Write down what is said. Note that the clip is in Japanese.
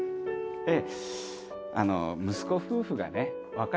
ええ。